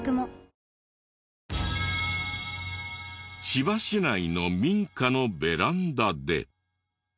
千葉市内の民家のベランダで。